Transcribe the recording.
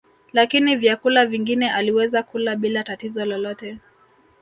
Lakini vyakula vingine aliweza kula bila tatizo lolote